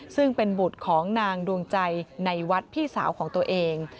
ซึ่งเป็นบุตรของนางดวงใจในวัดพี่สาวของตัวเอง